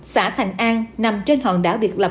xã thạnh an nằm trên hòn đảo biệt lập